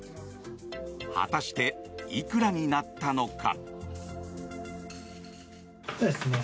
果たして、いくらになったのか。